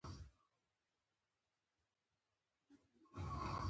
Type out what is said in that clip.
خدای که قهار دی نو رحیم او رحمن هم دی.